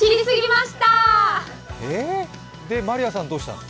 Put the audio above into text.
まりあさんはどうしたの？